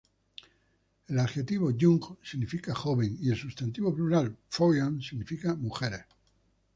El adjetivo "jung" significa "joven" y el sustantivo plural "frauen" significa "mujeres".